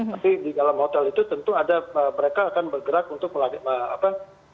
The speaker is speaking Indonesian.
tapi di dalam hotel itu tentu ada mereka akan bergerak untuk melakukan apa